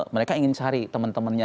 mereka ingin cari teman temannya